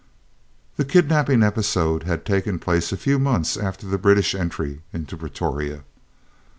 This kidnapping episode had taken place a few months after the British entry into Pretoria.